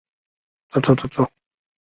朱格拉周期提出。